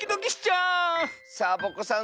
サボ子さん